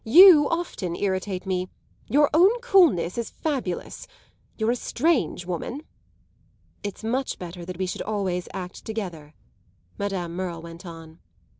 "You often irritate me. Your own coolness is fabulous. You're a strange woman." "It's much better that we should always act together," Madame Merle went on.